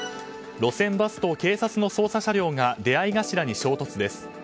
路線バスと警察の捜査車両が出合い頭に衝突です。